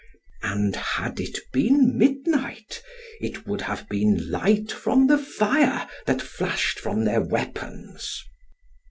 And had it been midnight, it would have been light from the fire that flashed from their weapons.